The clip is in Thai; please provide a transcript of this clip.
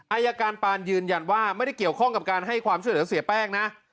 อายการปานยืนยันว่าไม่ได้เกี่ยวข้องกับการให้ความช่วยเหลือเสียแป้งนะ